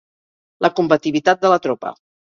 La combativitat de la tropa.